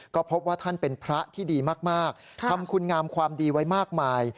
ก็พบว่าท่านเป็นพระที่ดีมากทำคุณงามความดีไว้มากมาย